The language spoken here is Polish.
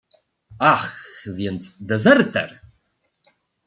"Ach, więc dezerter."